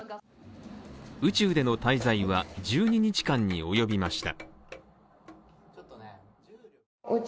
宇宙での滞在は１０日間におよびました。